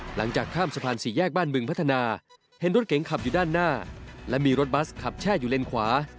หลังจากข้ามสะพานสี่แยกบ้านบึงพัฒนาเห็นรถเก๋งขับอยู่ด้านหน้าและมีรถบัสขับแช่อยู่เลนขวา